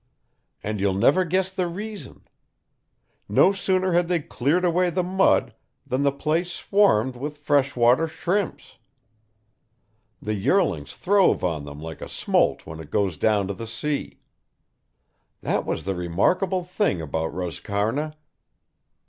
And you'll never guess the reason. No sooner had they cleared away the mud than the place swarmed with freshwater shrimps. The yearlings throve on them like a smolt when it goes down to the sea. That was the remarkable thing about Roscarna...."